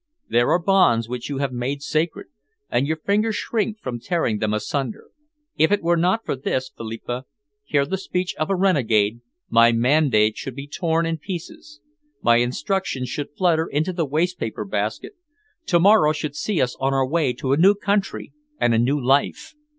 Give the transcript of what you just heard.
There are bonds which you have made sacred, and your fingers shrink from tearing them asunder. If it were not for this, Philippa hear the speech of a renegade my mandate should be torn in pieces. My instructions should flutter into the waste paper basket, To morrow should see us on our way to a new country and a new life.